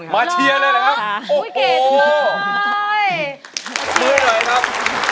มาเชียร์เลยหรอครับ